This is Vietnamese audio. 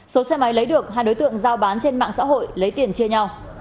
số xe máy lấy được hai đối tượng giao bán trên mạng xã hội lấy tiền chia nhau